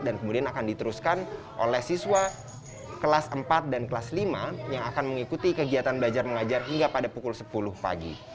dan kemudian akan diteruskan oleh siswa kelas empat dan kelas lima yang akan mengikuti kegiatan belajar mengajar hingga pada pukul sepuluh pagi